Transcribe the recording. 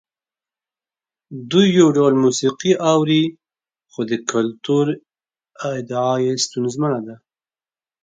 دوی یو ډول موسیقي اوري خو د کلتور ادعا یې ستونزمنه ده.